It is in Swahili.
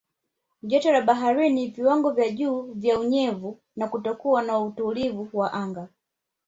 Joto la baharini viwango vya juu vya unyevu na kutokuwa na utulivu wa anga